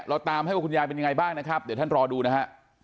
เราตามให้ว่าคุณยายเป็นยังไงบ้างนะครับเดี๋ยวท่านรอดูนะฮะ